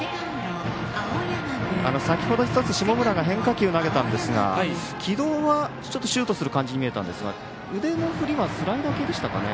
先程、１つ下村が変化球を投げたんですが軌道は、ちょっとシュートする感じに見えましたが腕の振りはスライダー系でしたかね。